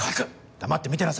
黙って見てなさい。